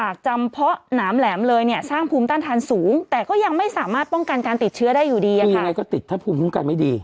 คือยังไงก็ติดถ้าภูมิคุ้มกันไม่ดี